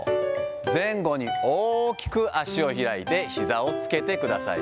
前後に大きく足を開いてひざをつけてください。